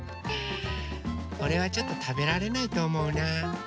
これはちょっとたべられないとおもうなうん。